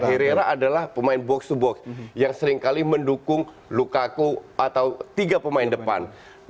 herrera adalah pemain box to box yang seringkali mendukung lukaku atau tiga pemain depan